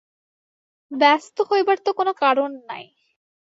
ব্যস্ত হইবার তো কোনো কারণ নাই।